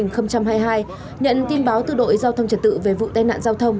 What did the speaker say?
nhận tin báo từ đội giao thông trật tự về vụ tai nạn giao thông